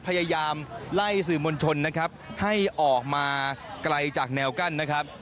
พยายามไล่สื่อมวลชนนะครับให้ออกมาไกลจากแนวกั้นนะครับ